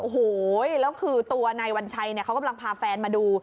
โอ้โหแล้วคือตัวนายวัญชัยเขากำลังพาแฟนมาดู